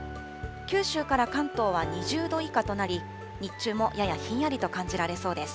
九州から関東は２０度以下となり、日中もややひんやりと感じられそうです。